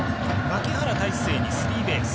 牧原大成にスリーベース。